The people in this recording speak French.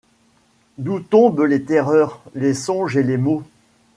D’où tombent les terreurs, les songes et les maux.